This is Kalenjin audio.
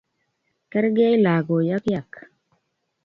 Kergei lagoi ak kiyak.